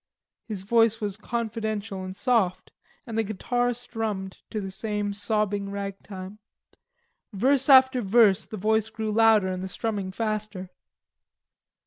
His voice was confidential and soft, and the guitar strummed to the same sobbing rag time. Verse after verse the voice grew louder and the strumming faster.